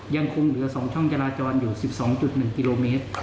ยังคงเหลือ๒ช่องจราจรอยู่๑๒๑กิโลเมตร